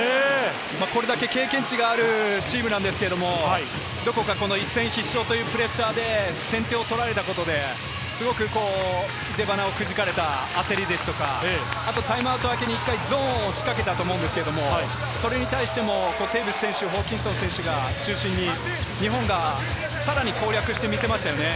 これだけ経験値があるチームなんですけど、どこか一戦必勝というプレッシャーで先手を取られたことで、すごく出ばなをくじかれた焦り、あとタイムアウト明けに一回ゾーンを仕掛けたと思うんですけど、それに対してもテーブス選手、ホーキンソン選手が中心に日本がさらに攻略してみせましたよね。